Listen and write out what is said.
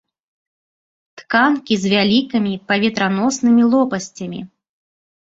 Тканкі з вялікімі паветраноснымі лопасцямі.